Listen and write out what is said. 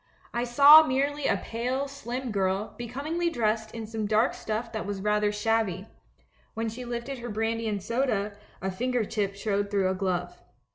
I saw merely a pale, slim girl, becomingly dressed in some dark stuff that was rather shabby; when she lifted her brandy and soda, a finger tip showed through a glove.